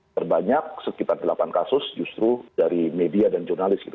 terbanyak sekitar delapan kasus justru dari media dan jurnalis gitu